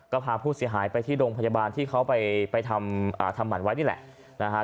ก็พาผู้เสียหายไปที่โรงพยาบาลที่เขาไปทำหมั่นไว้นี่แหละนะฮะ